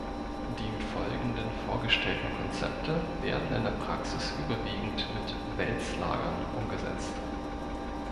Die im Folgenden vorgestellten Konzepte werden in der Praxis überwiegend mit Wälzlagern umgesetzt.